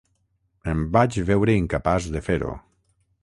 Em vaig veure incapaç de fer-ho.